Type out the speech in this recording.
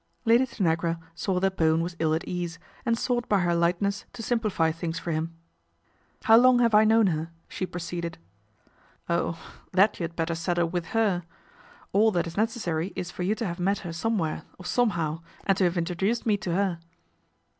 Lady Tanagra saw that Bowen was ill at ease, and sought by her lightness to simplify things for him. " How long have I known her ?" she proceeded. " Oh ! that you had better settle with her. All that is necessary is for you to have met her some where, or somehow, and to have introduced me to her."